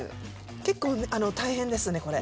結構大変ですねこれ。